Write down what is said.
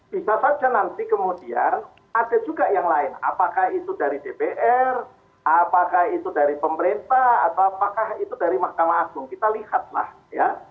bisa saja nanti kemudian ada juga yang lain apakah itu dari dpr apakah itu dari pemerintah atau apakah itu dari mahkamah agung kita lihatlah ya